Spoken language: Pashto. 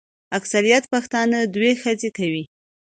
اکثریت پښتانه دوې ښځي کوي.